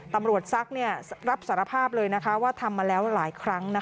ตำรวจซักเนี่ยรับสารภาพเลยนะคะว่าทำมาแล้วหลายครั้งนะคะ